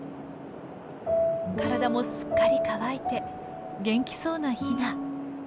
体もすっかり乾いて元気そうなヒナ。